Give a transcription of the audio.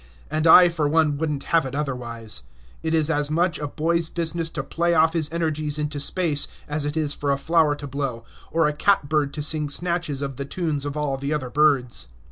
And I, for one, would n't have it otherwise. It is as much a boy's business to play off his energies into space as it is for a flower to blow, or a catbird to sing snatches of the tunes of all the other birds.